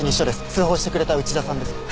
通報してくれた内田さんですか？